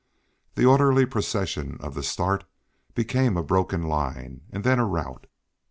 The orderly procession of the start became a broken line, and then a rout.